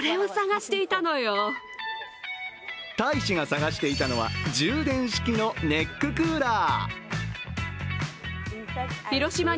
大使が探していたのは充電式のネッククーラー。